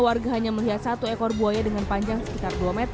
warga hanya melihat satu ekor buaya dengan panjang sekitar dua meter